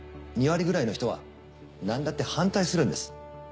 ２割くらいの人は何だって反対するんです。